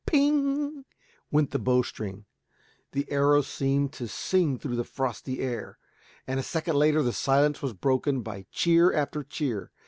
"Ping!" went the bowstring. The arrow seemed to sing through the frosty air, and, a second later, the silence was broken by cheer after cheer.